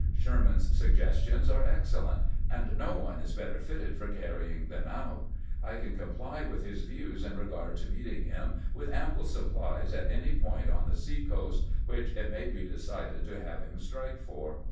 Sherman's suggestions are excellent, and no one is better fitted for carrying them out. I can comply with his views in regard to meeting him with ample supplies at any point on the sea coast whiQh it may be decided to have him strike for.